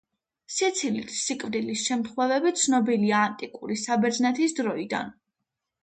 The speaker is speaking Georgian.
სიცილით სიკვდილის შემთხვევები ცნობილია ანტიკური საბერძნეთის დროიდან.